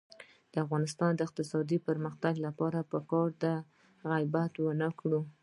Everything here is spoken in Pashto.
د افغانستان د اقتصادي پرمختګ لپاره پکار ده چې غیبت ونکړو.